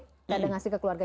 kadang ngasih ke keluarga